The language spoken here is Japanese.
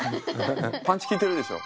パンチ効いてるでしょ？